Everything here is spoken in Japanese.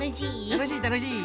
たのしいたのしい！